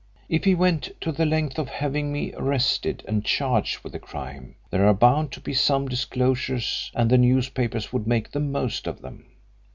If he went to the length of having me arrested and charged with the crime, there are bound to be some disclosures and the newspapers would make the most of them.